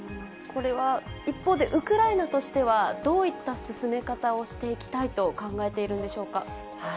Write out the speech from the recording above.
これは一方で、ウクライナとしては、どういった進め方をしていきたいと考えているんでしょうか。